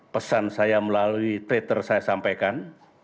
pesan saya melalui twitter saya sampaikan